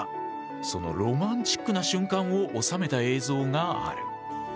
そのロマンチックな瞬間を収めた映像がある。